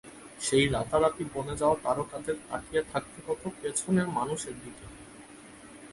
সেই রাতারাতি বনে যাওয়া তারকাদের তাকিয়ে থাকতে হতো পেছনের মানুষের দিকে।